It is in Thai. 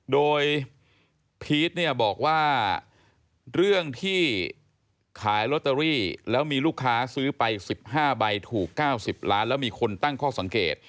โดยพีชเนี่ยบอกว่าเรื่องที่ขายลอตเตอรี่แล้วมีลูกค้าซื้อไป๑๕ใบถูก๙๐ล้านแล้วมีคนตั้งข้อสังเกต